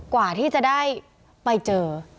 กว่าที่จะได้ไปเจอ